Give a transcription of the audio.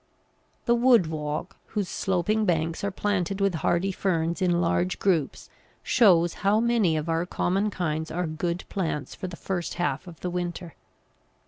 The wood walk, whose sloping banks are planted with hardy ferns in large groups, shows how many of our common kinds are good plants for the first half of the winter.